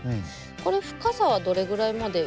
これ深さはどれぐらいまで？